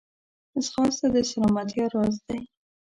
ځغاسته د سلامتیا راز دی